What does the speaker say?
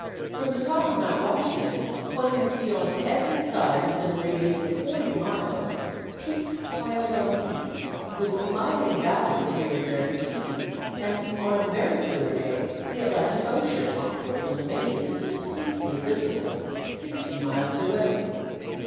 From the top of Mount Washington, one can see on every side within a radius of forty miles peaks piled on peaks, with smiling valleys here and there between, and, on a very clear day, the Atlantic Ocean off Portland, Maine, is distinctly visible sixty miles away.